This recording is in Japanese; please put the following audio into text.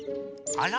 あら？